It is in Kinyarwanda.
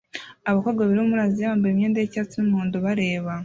Abakobwa babiri bo muri Aziya bambaye imyenda yicyatsi n'umuhondo bareba